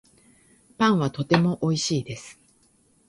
パンはとてもおいしいです